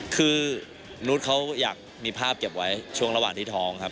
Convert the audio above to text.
คือนุษย์เขาอยากมีภาพเก็บไว้ช่วงระหว่างที่ท้องครับ